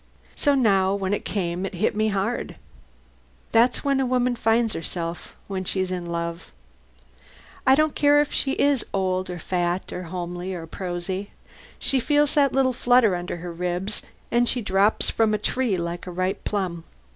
So now when it came, it hit me hard. That's when a woman finds herself when she's in love. I don't care if she is old or fat or homely or prosy. She feels that little flutter under her ribs and she drops from the tree like a ripe plum.